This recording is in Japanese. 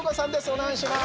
お願いします。